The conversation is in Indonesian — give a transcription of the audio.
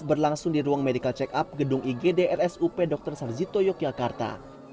berlangsung di ruang medical check up gedung igd rsup dr sarjito yogyakarta